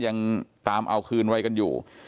ยังตามเอาคืนไว้กันอยู่